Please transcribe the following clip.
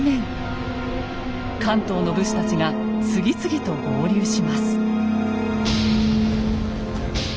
関東の武士たちが次々と合流します。